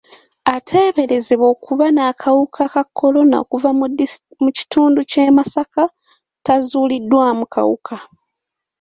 Ateeberezebwa okuba n'akawuka ka kolona okuva mu kitundu ky'e Masaka tazuuliddwamu kawuka.